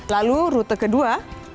lalu rute kedua